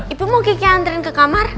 ibu mau giki anterin ke kamar